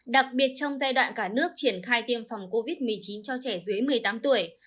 đặc biệt trong giai đoạn cả nước triển khai tiêm phòng covid một mươi chín cho trẻ dưới một mươi tám tuổi